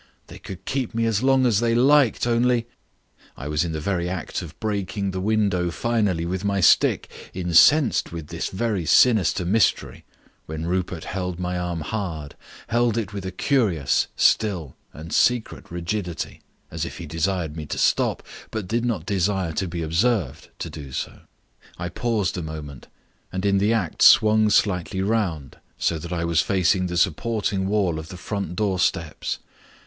They could keep me as long as they liked only " I was in the very act of breaking the window finally with my stick, incensed with this very sinister mystery, when Rupert held my arm hard, held it with a curious, still, and secret rigidity as if he desired to stop me, but did not desire to be observed to do so. I paused a moment, and in the act swung slightly round, so that I was facing the supporting wall of the front door steps.